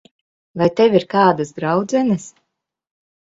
Vai tev ir kādas draudzenes?